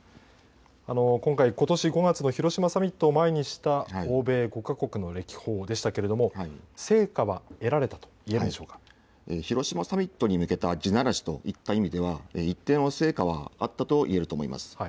今回ことし５月の広島サミットを前にした欧米５か国の歴訪でしたけれども成果は得られたと広島サミットに向けた地ならしといった意味では一定の成果はあったと言えると思います。